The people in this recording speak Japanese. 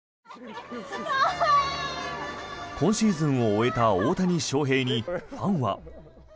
今シーズンを終えた大谷翔平にファンは。